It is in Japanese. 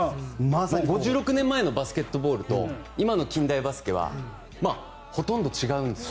５６年前のバスケと今の近代バスケはほとんど違うんですよ。